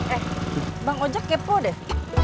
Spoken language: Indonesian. eh bang ojek kepo deh